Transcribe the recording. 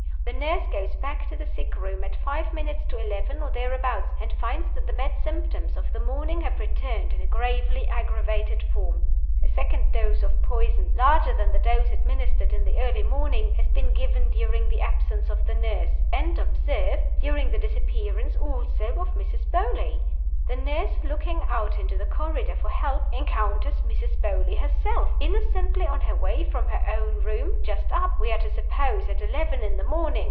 The nurse goes back to the sick room at five minutes to eleven, or thereabouts, and finds that the bad symptoms of the morning have returned in a gravely aggravated form. A second dose of poison larger than the dose administered in the early morning has been given during the absence of the nurse, and (observe) during the disappearance also of Mrs. Beauly. The nurse looking out into the corridor for help, encounters Mrs. Beauly herself, innocently on her way from her own room just up, we are to suppose, at eleven in the morning!